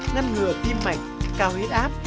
ngăn ngừa tim mạnh cao hít áp